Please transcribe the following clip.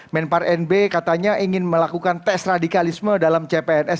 menpar nb katanya ingin melakukan tes radikalisme dalam cpns